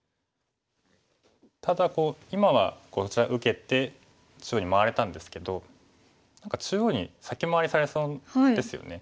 ただ今はこちら受けて中央に回れたんですけど中央に先回りされそうですよね。